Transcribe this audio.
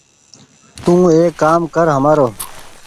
تو ايڪ ڪآم ڪر همآرو ۔